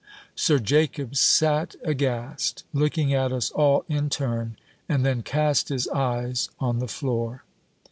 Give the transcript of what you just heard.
Sir Jacob sat aghast, looking at us all in turn, and then cast his eyes on the floor.